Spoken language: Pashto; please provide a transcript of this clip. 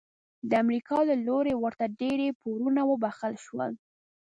د امریکا له لوري ورته ډیری پورونه وبخښل شول.